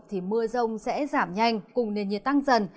thì mưa rông sẽ giảm nhanh cùng nền nhiệt tăng dần